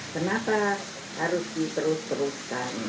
kenapa harus diterus teruskan